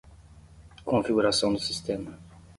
Configuração do sistema.